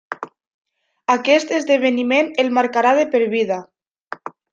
Aquest esdeveniment el marcarà de per vida.